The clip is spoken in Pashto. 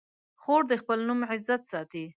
خور د خپل نوم عزت ساتي.